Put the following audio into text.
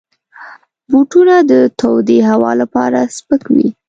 بوټونه د تودې هوا لپاره سپک وي.